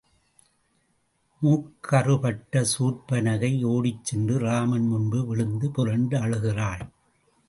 மூக்கறுபட்ட சூர்ப்பனகை ஓடிச் சென்று, ராமன் முன்பு விழுந்து புரண்டு அழுகிறாள்.